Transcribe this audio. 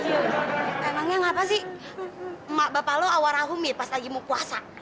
emangnya ngapain sih bapak lo awal rahumi pas lagi mau puasa